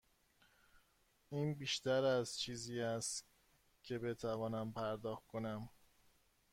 این بیشتر از چیزی است که بتوانم پرداخت کنم.